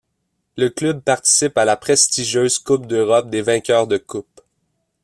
Le club participe à la prestigieuse coupe d'Europe des vainqueurs de coupe.